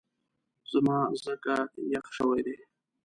زما ځکه یخ شوی دی